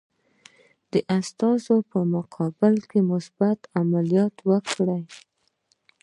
د استازو په مقابل کې مثبت عملیات وکړي.